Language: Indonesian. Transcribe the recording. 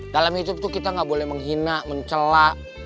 dalam hidup itu kita nggak boleh menghina mencelak